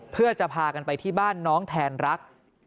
เพื่อจะพากันไปที่บ้านน้องแทนรัก